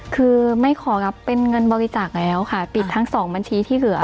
คือไม่ขอรับเป็นเงินบริจาคแล้วค่ะติดทั้งสองบัญชีที่เหลือ